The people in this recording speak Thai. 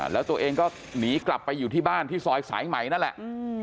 แล้วตัวเองก็หนีกลับไปอยู่ที่บ้านที่ซอยสายใหม่นั่นแหละ